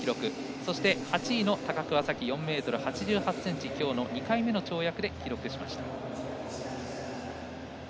そして８位の高桑早生４ｍ８８ｃｍを今日の２回目の跳躍で記録しました。